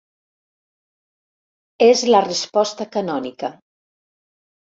És la resposta canònica.